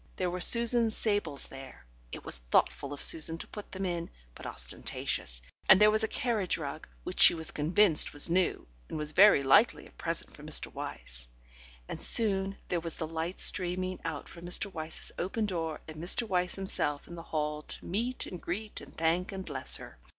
There were Susan's sables there it was thoughtful of Susan to put them in, but ostentatious and there was a carriage rug, which she was convinced was new, and was very likely a present from Mr. Wyse. And soon there was the light streaming out from Mr. Wyse's open door, and Mr. Wyse himself in the hall to meet and greet and thank and bless her.